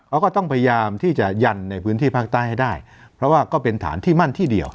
เขาก็ต้องพยายามที่จะยันในพื้นที่ภาคใต้ให้ได้เพราะว่าก็เป็นฐานที่มั่นที่เดียว